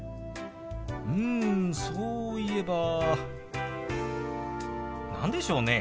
うんそういえば何でしょうね。